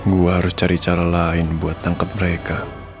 gua harus cari cara lain buat nangkep mereka